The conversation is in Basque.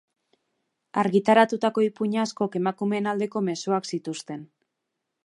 Argitaratutako ipuin asko, emakumeen aldeko mezuak zituzten.